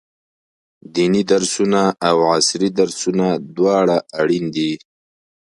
ديني درسونه او عصري درسونه دواړه اړين دي.